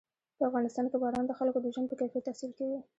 په افغانستان کې باران د خلکو د ژوند په کیفیت تاثیر کوي.